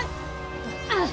あっ！